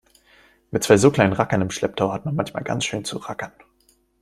Mit zwei so kleinen Rackern im Schlepptau hat man manchmal ganz schön zu rackern.